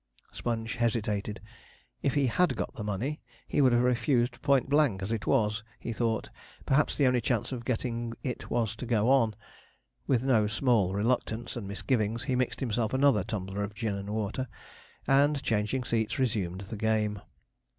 Sponge hesitated. If he had got the money, he would have refused point blank; as it was, he thought, perhaps the only chance of getting it was to go on. With no small reluctance and misgivings he mixed himself another tumbler of gin and water, and, changing seats, resumed the game.